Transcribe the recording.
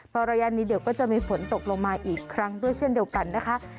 พอระยะนี้เดี๋ยวก็จะมีฝนตกลงมาอีกครั้งด้วยเช่นเดียวกันนะคะ